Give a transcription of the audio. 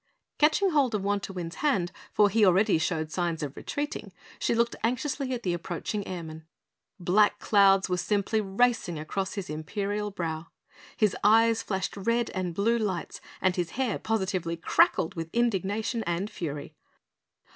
Catching hold of Wantowin's hand, for he already showed signs of retreating, she looked anxiously at the approaching Airman. Black clouds were simply racing across his imperial brow; his eyes flashed red and blue lights and his hair positively crackled with indignation and fury.